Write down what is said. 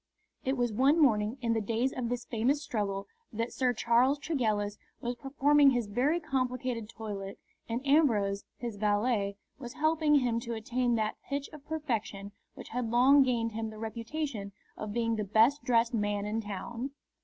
It was one morning in the days of this famous struggle that Sir Charles Tregellis was performing his very complicated toilet, and Ambrose, his valet, was helping him to attain that pitch of perfection which had long gained him the reputation of being the best dressed man in town.